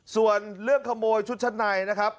ส่วนเรื่องขโมยชุดชั้นในนะครับ